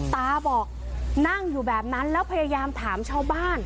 ตาบอกนั่งอยู่แบบนั้นแล้วพยายามถามชาวบ้าน